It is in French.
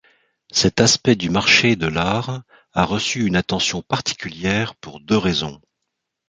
Cet aspect du marché de l'art a reçu une attention particulière pour deux raisons.